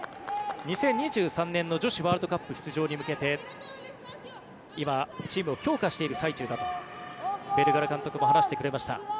２０２３年の女子ワールドカップ出場に向けて今、チームを強化している最中だとベルガラ監督も話してくれました。